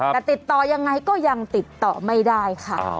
แต่ติดต่อยังไงก็ยังติดต่อไม่ได้ค่ะ